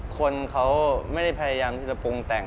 คนเขาไม่ได้พยายามที่จะปรุงแต่ง